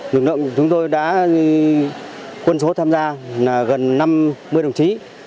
lực lượng chúng tôi đã quân số tham gia gần năm mươi đồng chí